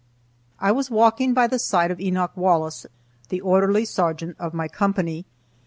I was walking by the side of Enoch Wallace, the orderly sergeant of my company.